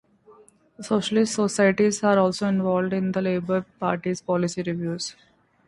The socialist societies are also involved in the Labour Party's policy reviews.